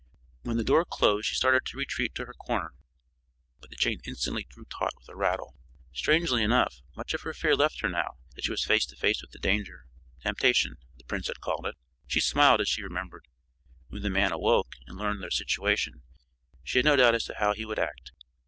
When the door closed she started to retreat to her corner, but the chain instantly drew taut with a rattle. Strangely enough, much of her fear left her now that she was face to face with the danger; temptation, the prince had called it. She smiled as she remembered. When the man awoke and learned their situation, she had no doubt as to how he would act.